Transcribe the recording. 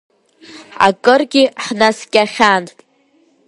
Акыргьы ҳнаскьахьан…